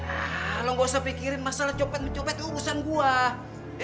ah lo gak usah pikirin masalah copet mecopet urusan gue